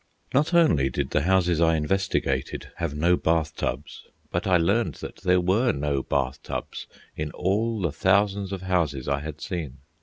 Not only did the houses I investigated have no bath tubs, but I learned that there were no bath tubs in all the thousands of houses I had seen.